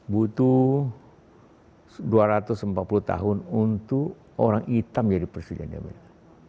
butuh dua ratus empat puluh tahun untuk orang itam menjadi presiden di amerika